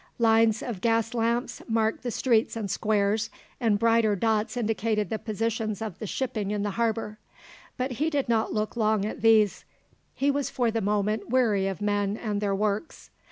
Lines of gas lamps marked the streets and squares, and brighter dots indicated the positions of the shipping in the harbour. But he did not long look at these; he was for the moment weary of men and their works.